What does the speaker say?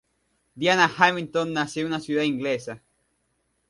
Diana Hamilton nació en una ciudad inglesa.